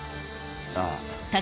ああ。